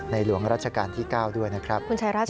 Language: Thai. หลวงราชการที่๙ด้วยนะครับ